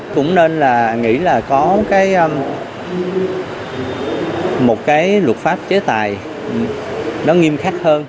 cũng nên là nghĩ là có một cái luật pháp chế tài nó nghiêm khắc hơn